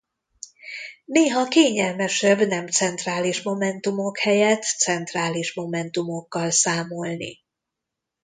Néha kényelmesebb nem centrális momentumok helyett centrális momentumokkal számolni.